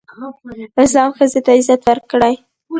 اسلام ښځې ته عزت ورکړی